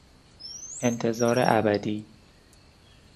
انتظار ابدی